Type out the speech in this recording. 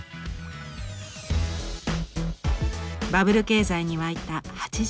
バブル経済に沸いた８０年代。